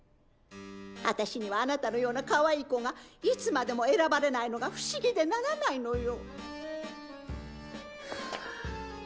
私にはあなたのようなかわいい子がいつまでも選ばれないのが不思議でならないのよ。